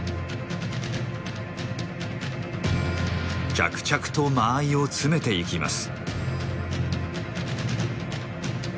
着々と間合いを詰めていきます。